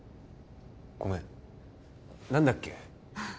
ごめん何だっけ？